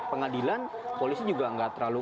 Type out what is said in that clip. pengadilan polisi juga nggak terlalu